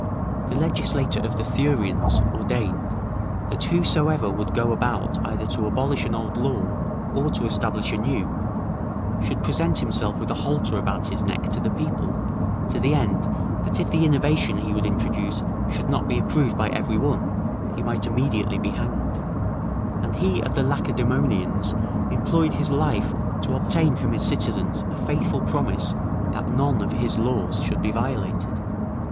The legislator of the Thurians [Charondas; Diod. Sic., xii. 24.] ordained, that whosoever would go about either to abolish an old law, or to establish a new, should present himself with a halter about his neck to the people, to the end, that if the innovation he would introduce should not be approved by every one, he might immediately be hanged; and he of the Lacedaemonians employed his life to obtain from his citizens a faithful promise that none of his laws should be violated.